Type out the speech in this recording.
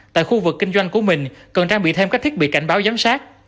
tại khu vực kinh doanh của mình cần trang bị thêm các thiết bị cảnh báo giám sát